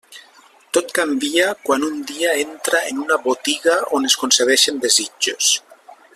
Tot canvia quan un dia entra en una botiga on es concedeixen desitjos.